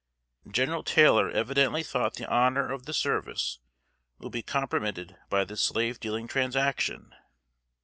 General Taylor evidently thought the honor of the service would be compromited by this slave dealing transaction.